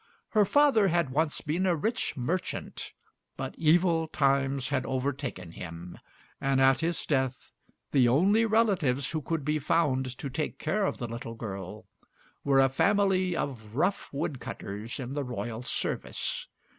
Her father had once been a rich merchant, but evil times had overtaken him, and at his death the only relatives who could be found to take care of the little girl were a family of rough wood cutters in the royal service.